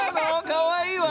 かわいいわ。